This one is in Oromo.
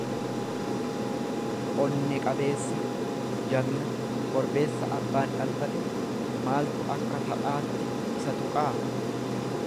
onne qabeessa, jagna; Korbeessa abbaan dhalfate! maaltu akka taphaatti isa tuqaa?